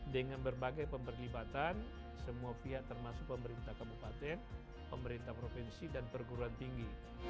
dengan berbagai pemberlibatan semua pihak termasuk pemerintah kabupaten pemerintah provinsi dan perguruan tinggi